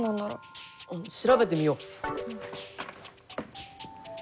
あっ調べてみよう。